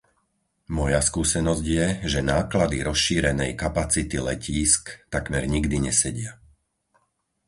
Moja skúsenosť je, že náklady rozšírenej kapacity letísk takmer nikdy nesedia.